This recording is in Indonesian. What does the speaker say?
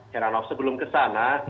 heranov sebelum ke sana